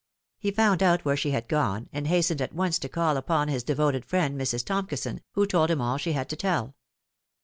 He found out where she had gone, and hastened at once to call upon his devoted friend Mrs. Tomkison, who told him all she had to tell.